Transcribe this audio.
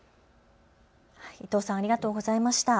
伊藤さん、ありがとうございました。